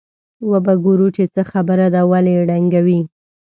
وبه ګورو چې څه خبره ده ولې یې ډنګوي.